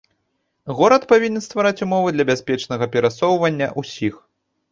Горад павінен ствараць умовы для бяспечнага перасоўвання ўсіх.